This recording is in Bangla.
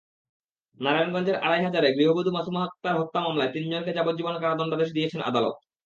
নারায়ণগঞ্জের আড়াইহাজারে গৃহবধূ মাসুমা আক্তার হত্যা মামলায় তিনজনকে যাবজ্জীবন কারাদণ্ডাদেশ দিয়েছেন আদালত।